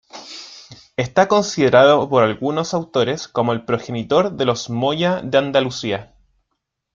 Está considerado por algunos autores como el progenitor de los Moya de Andalucía.